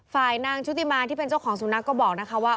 นางชุติมาที่เป็นเจ้าของสุนัขก็บอกนะคะว่า